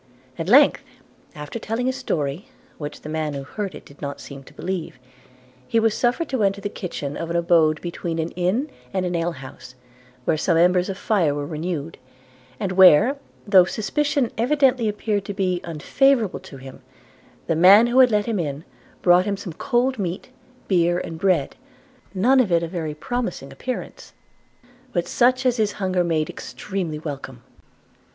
At length, after telling his story, which the man who heard it did not seem to believe, he was suffered to enter the kitchen of an abode between an inn and an alehouse; where some embers of fire were renewed, and where, though suspicion evidently appeared to be unfavourable to him, the man who had let him in brought him some cold meat, beer and bread, none of it of a very promising appearance, but such as his hunger made extremely welcome.